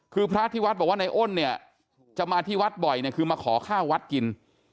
คือพระที่วัดบอกว่าในอ้นเนี่ยจะมาที่วัดบ่อยเนี่ยคือมาขอข้าววัดกิน